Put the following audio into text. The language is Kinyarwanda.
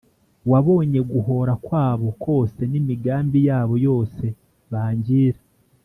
Wabonye guhōra kwabo kose, N’imigambi yabo yose bangīra.